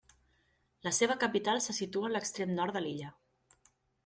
La seva capital se situa en l'extrem nord de l'illa.